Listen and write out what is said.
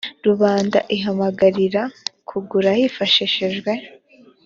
rubanda ihamagarirwa kugura hifashishijwe